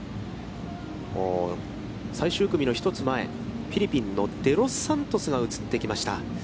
最終組の１つ前、フィリピンのデロスサントスが映ってきました。